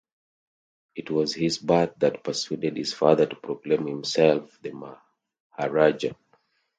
It was his birth that persuaded his father to proclaim himself the Maharaja.